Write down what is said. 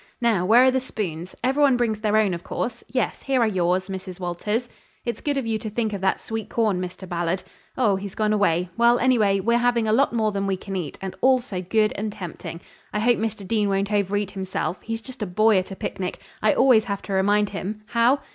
Now where are the spoons? Every one brings their own, of course; yes, here are yours, Mrs. Walters. It's good of you to think of that sweet corn, Mr. Ballard. Oh, he's gone away; well, anyway, we're having a lot more than we can eat, and all so good and tempting. I hope Mr. Dean won't overeat himself; he's just a boy at a picnic, I always have to remind him How?"